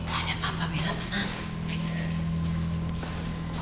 gak ada apa apa bela tenang